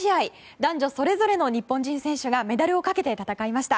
男女それぞれの日本人選手がメダルをかけて戦いました。